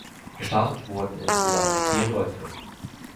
Gestartet wurden insgesamt vier Läufe.